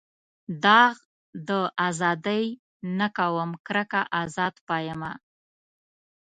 داغ د ازادۍ نه کوم کرکه ازاد پایمه.